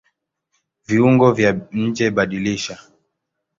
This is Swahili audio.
Viungo vya njeBadilisha